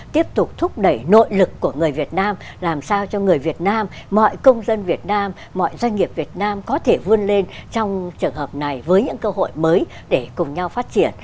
tiếp tục thúc đẩy nội lực của người việt nam làm sao cho người việt nam mọi công dân việt nam mọi doanh nghiệp việt nam có thể vươn lên trong trường hợp này với những cơ hội mới để cùng nhau phát triển